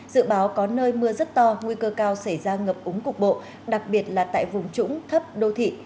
dự báo có nơi mưa rất to nguy cơ cao xảy ra ngập úng cục bộ đặc biệt là tại vùng trũng thấp đô thị